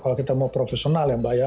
kalau kita mau profesional ya mbak ya